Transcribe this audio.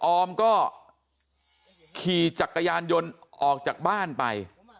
ออมก็ขี่จักรยานยนต์ออกจากบ้านไป